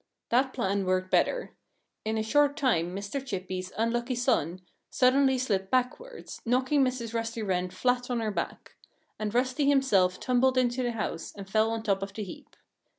That plan worked better. In a short time Mr. Chippy's unlucky son suddenly slipped backward, knocking Mrs. Rusty Wren flat on her back. And Rusty himself tumbled into the house and fell on top of the heap.